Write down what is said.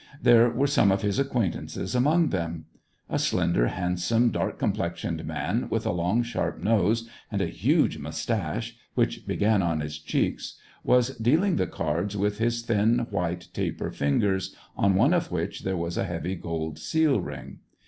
There were some of his acquaintances among them. A slender, handsome, dark com plexioned man, with a long, sharp nose and a huge moustache, which began on his cheeks, was deal SEVASTOPOL IN AUGUST. 2OI ing the cards with his thin, white, taper fingers, on one of which there was a heavy gold seal ring.